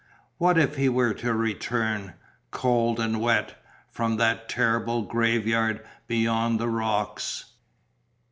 What if he were to return, cold and wet, from that terrible grave yard beyond the rocks?